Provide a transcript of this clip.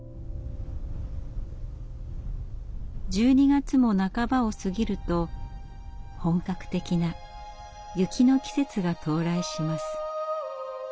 １２月も半ばを過ぎると本格的な雪の季節が到来します。